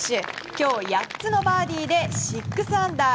今日８つのバーディーで６アンダー。